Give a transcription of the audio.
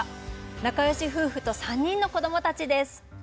仲よし夫婦と３人の子どもたちです。